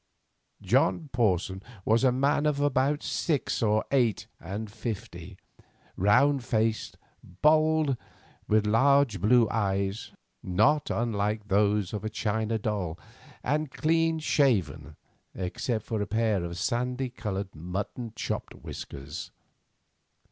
John Porson was a man of about six or eight and fifty, round faced, bald, with large blue eyes not unlike those of a china doll, and clean shaven except for a pair of sandy coloured mutton chop whiskers.